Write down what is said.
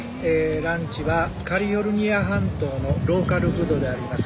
ランチはカリフォルニア半島のローカルフードであります